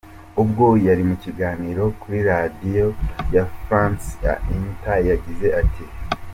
Ubwo yari mu kiganiro kuri radiyo ya France Inter yagize ati: .